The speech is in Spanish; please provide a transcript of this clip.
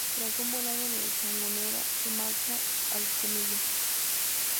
Tras un buen año en el Sangonera se marcha al Jumilla.